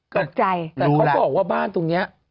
ก็รู้แล้วแต่เขาบอกว่าบ้านตรงเนี้ย